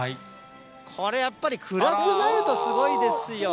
これ、やっぱり暗くなるとすごいですよ。